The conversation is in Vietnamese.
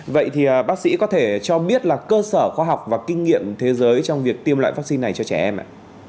vậy thì bác sĩ có thể cho biết là cơ sở khoa học và kinh nghiệm thế giới trong việc tiêm loại vaccine này cho trẻ em ạ